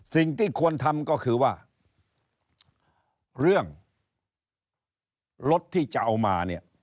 สิ่งที่ควรทำก็คือว่าเรื่องรถที่จะเอามาเนี่ย